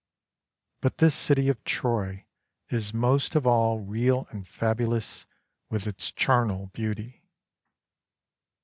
But this city of Troy is most of all real and fabulous with its charnel beauty.